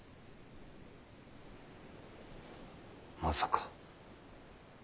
まさか。